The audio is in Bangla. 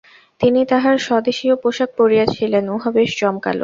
তিনি তাঁহার স্বদেশীয় পোষাক পরিয়াছিলেন, উহা বেশ জমকালো।